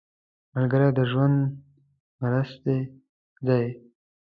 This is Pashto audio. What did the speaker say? ملګری د ژوند مرستې دی